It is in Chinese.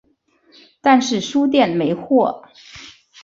但是书店没货